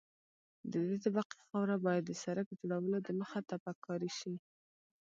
د دې طبقې خاوره باید د سرک جوړولو دمخه تپک کاري شي